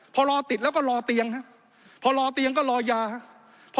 พอรอติดแล้วก็รอเตียงครับพอรอเตียงก็รอยาครับ